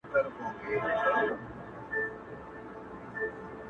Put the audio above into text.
هغه د خلکو له سترګو ځان پټ ساتي تل,